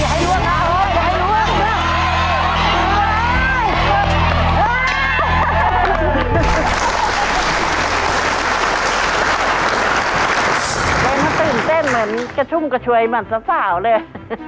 มันตื่นเต้นเหมือนกระชุมกระชวยมันสับสาวเลย